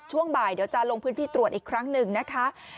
ช่วงบ่ายเดี๋ยวจะลงพื้นที่ตรวจอีกครั้งหนึ่งนะคะ